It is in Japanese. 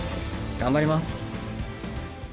頑張ります。